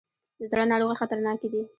د زړه ناروغۍ خطرناکې دي.